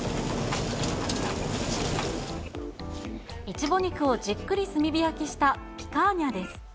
イチボ肉をじっくり炭火焼きしたピカーニャです。